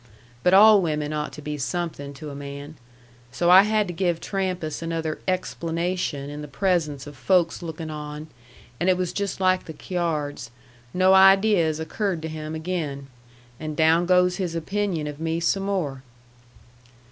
But all women ought to be somethin' to a man. So I had to give Trampas another explanation in the presence of folks lookin' on, and it was just like the cyards. No ideas occurred to him again. And down goes his opinion of me some more!